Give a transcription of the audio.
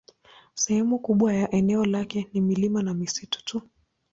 Sehemu kubwa ya eneo lake ni milima na misitu tu.